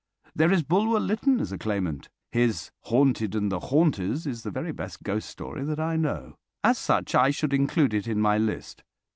There is Bulwer Lytton as a claimant. His "Haunted and the Haunters" is the very best ghost story that I know. As such I should include it in my list.